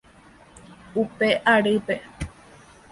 Upe arýpe.